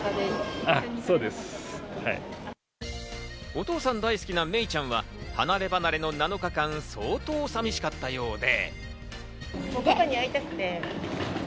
お父さん大好きなめいちゃんは離れ離れの７日間、相当寂しかったようで。